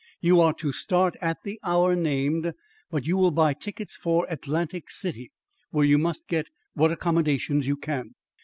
You are to start at the hour named, but you will buy tickets for Atlantic City, where you must get what accommodations you can.